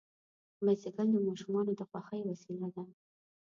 بایسکل د ماشومانو د خوښۍ وسیله ده.